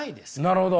なるほど。